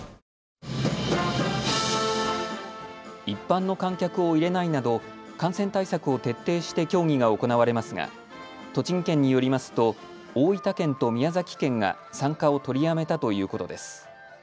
一般の観客を入れないなど感染対策を徹底して競技が行われますが栃木県によりますと大分県と宮崎県が参加を取りやめたということです。